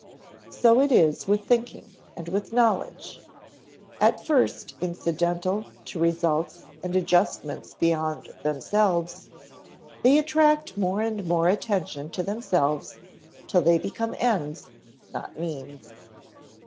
So it is with thinking and with knowledge; at first incidental to results and adjustments beyond themselves, they attract more and more attention to themselves till they become ends, not means.